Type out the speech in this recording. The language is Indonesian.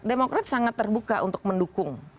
demokrat sangat terbuka untuk mendukung